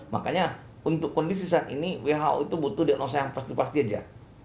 makanya untuk kondisi saat ini who itu butuh diagnosa yang pasti pasti aja